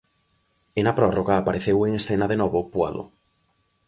E na prórroga apareceu en escena de novo Puado.